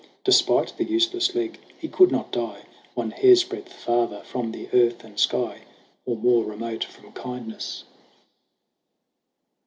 Despite the useless leg, he could not die One hairsbreadth farther from the earth and sky, Or more remote from kindness.